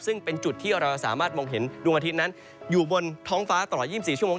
ซึ่งเป็นจุดที่เราสามารถมองเห็นดวงอาทิตย์นั้นอยู่บนท้องฟ้าตลอด๒๔ชั่วโมง